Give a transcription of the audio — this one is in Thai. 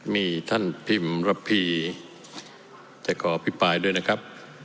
มีท่านพิมระพีจะขออภิปรายด้วยนะครับ